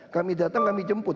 kami datang kami jemput